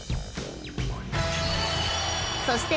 ［そして］